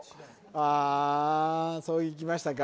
あそういきましたか